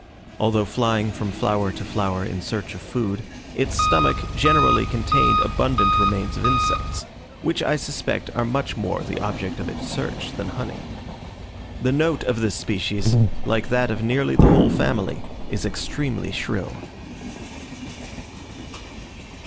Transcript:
Although flying from flower to flower in search of food, its stomach generally contained abundant remains of insects, which I suspect are much more the object of its search than honey. The note of this species, like that of nearly the whole family, is extremely shrill.